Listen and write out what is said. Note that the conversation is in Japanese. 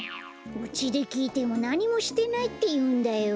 うちできいてもなにもしてないっていうんだよ。